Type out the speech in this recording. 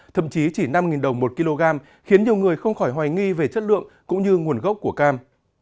thậm chí chỉ năm đồng một kg khiến nhiều người không khỏi hoài nghi về chất lượng cũng như nguồn gốc của cam